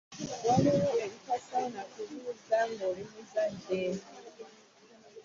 Waliwo ebitasaana kubuuza ng'oli muzadde.